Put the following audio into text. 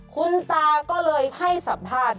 คุณตาก็เลยให้สัมภาษณ์